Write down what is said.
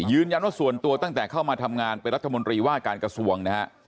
ยืนยันว่าส่วนตัวตั้งแต่เข้ามาทำงานเป็นรัฐมนตรีว่าการกระทรวงนะฮะ